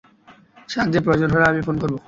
সাহায্যের প্রয়োজন হলে আমি ফোন করব।